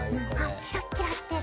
キラッキラしてる。